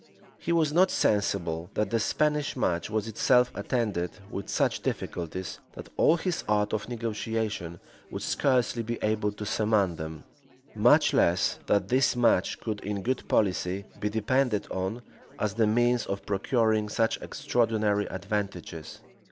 He was not sensible, that the Spanish match was itself attended with such difficulties, that all his art of negotiation would scarcely be able to surmount them; much less, that this match could in good policy be depended on, as the means of procuring such extraordinary advantages.